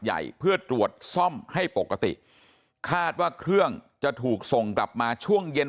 ใหญ่เพื่อตรวจซ่อมให้ปกติคาดว่าเครื่องจะถูกส่งกลับมาช่วงเย็น